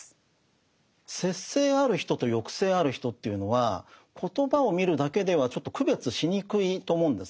節制ある人と抑制ある人というのは言葉を見るだけではちょっと区別しにくいと思うんですね。